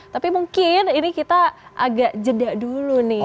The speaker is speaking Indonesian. tapi mungkin ini kita agak jeda dulu nih